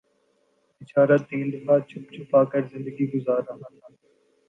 بیچارہ تیندوا چھپ چھپا کر زندگی گزار رہا تھا